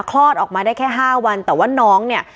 คลอดออกมาได้แค่๕วันแต่ว่าน้องเนี่ย